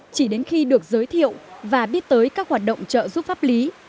chỉ đến khi được giới thiệu và biết tới các hoạt động trợ giúp pháp lý